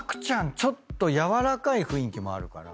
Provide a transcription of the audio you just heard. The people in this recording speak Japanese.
ちょっと柔らかい雰囲気もあるから。